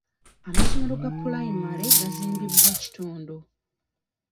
Amasomero ga pulayimale gazimbibwa kitundu.